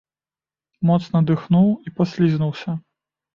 Моцна дыхнуў і паслізнуўся.